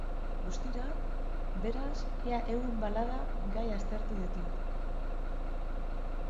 Guztira, beraz, ia ehun balada gai aztertu ditut.